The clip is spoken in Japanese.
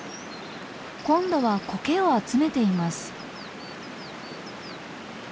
今度はコケを集めています。